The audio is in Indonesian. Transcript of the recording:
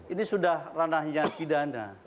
ini sudah ranahnya pidana